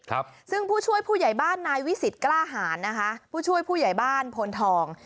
ครับซึ่งผู้ช่วยผู้ใหญ่บ้านนายวิสิตกล้าหารนะคะผู้ช่วยผู้ใหญ่บ้านพลทอง